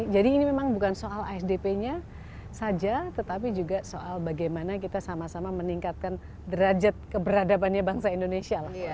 jadi ini memang bukan soal asdp nya saja tetapi juga soal bagaimana kita sama sama meningkatkan derajat keberadabannya bangsa indonesia lah